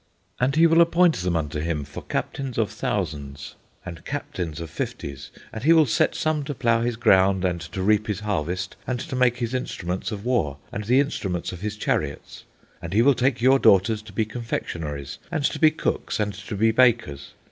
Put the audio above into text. And he will appoint them unto him for captains of thousands, and captains of fifties; and he will set some to plough his ground, and to reap his harvest, and to make his instruments of war, and the instruments of his chariots. And he will take your daughters to be confectionaries, and to be cooks, and to be bakers.